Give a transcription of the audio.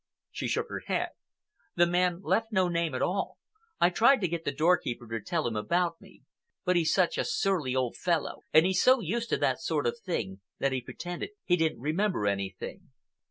She shook her head. "The man left no name at all. I tried to get the doorkeeper to tell me about him, but he's such a surly old fellow, and he's so used to that sort of thing, that he pretended he didn't remember anything."